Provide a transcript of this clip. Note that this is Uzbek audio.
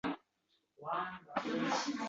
ittifoqdoshiga ega, bu “yashirin sferadir”.